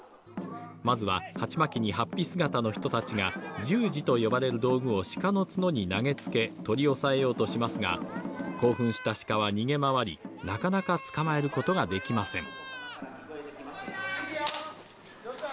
まずは鉢巻きにはっぴ姿の人たちが、十字と呼ばれる道具を鹿の角に投げつけ、取り押さえようとしますが、興奮した鹿は逃げ回り、なかなか捕まえることができません。